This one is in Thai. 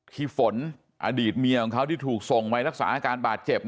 ที่ฝนอดีตเมียของเขาที่ถูกส่งไว้รักษาอาการบาดเจ็บ